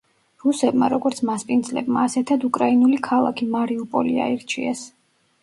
რუსებმა, როგორც მასპინძლებმა, ასეთად უკრაინული ქალაქი, მარიუპოლი, აირჩიეს.